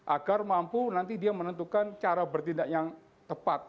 agar mampu nanti dia menentukan cara bertindak yang tepat